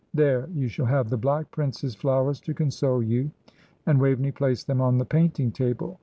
There, you shall have the Black Prince's flowers to console you;" and Waveney placed them on the painting table.